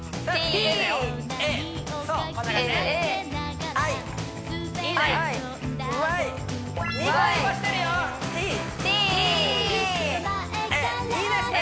Ａいいですね